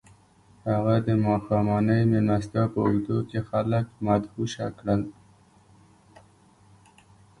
هغه د ماښامنۍ مېلمستیا په اوږدو کې خلک مدهوشه کړل